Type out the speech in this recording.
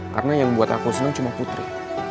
karena yang membuat aku senang cuma putri